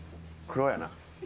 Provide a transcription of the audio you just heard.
黒やな。